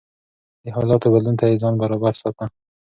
د حالاتو بدلون ته يې ځان برابر ساته.